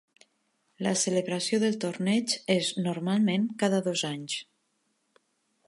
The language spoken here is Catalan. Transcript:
La celebració del torneig és normalment cada dos anys.